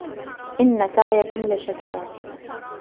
إِنَّ سَعْيَكُمْ لَشَتَّى